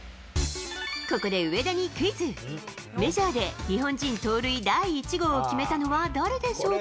ここで上田にクイズ、メジャーで日本人盗塁・第１号を決めたのは誰でしょうか？